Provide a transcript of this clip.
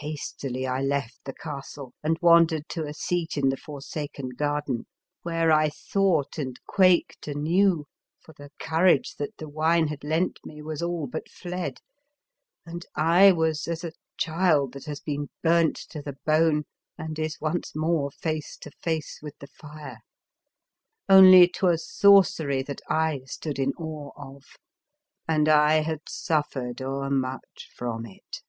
Hastily I left the castle and wan dered to a seat in the forsaken garden, where I thought and quaked anew, for the courage that the wine had lent me was all but fled, and I was as a child that has been burnt to the bone and is once more face to face with the fire, only 'twas Sorcery that I stood in awe of, and I had suffered o'ermuch from it.